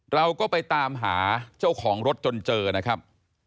เราก็ไปตามหาเจ้าของรถจนเจอนะครับ